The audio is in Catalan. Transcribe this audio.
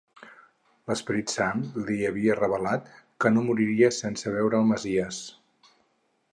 L'Esperit Sant li havia revelat que no moriria sense veure el Messies.